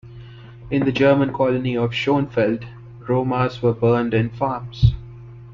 In the German colony of Shonfeld, Romas were burned in farms.